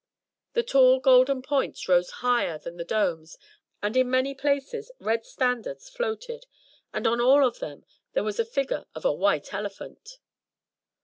The tall golden points rose higher than the domes, and in many places red standards floated, and on all of them there was the figure of a White Elephant!